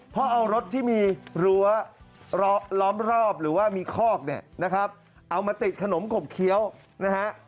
เพราะเอารถที่มีรั้วล้อมรอบหรือว่ามีคอกเนี่ยนะครับเอามาติดขนมขบเคี้ยวนะฮะ